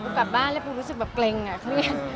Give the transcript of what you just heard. กลับบ้านแล้วปูรู้สึกแบบเกร็งอ่ะเครียด